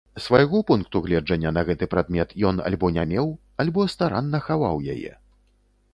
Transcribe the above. Свайго пункту гледжання на гэты прадмет ён альбо не меў, альбо старанна хаваў яе.